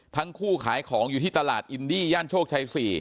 ขายของอยู่ที่ตลาดอินดี้ย่านโชคชัย๔